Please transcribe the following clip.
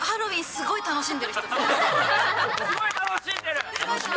すごい楽しんでる！